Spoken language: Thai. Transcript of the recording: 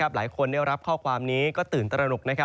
หลายคนได้รับข้อความนี้ก็ตื่นตระหนก